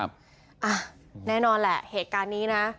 อ่ะแน่นอนแหละเหตุการณ์นี้นะ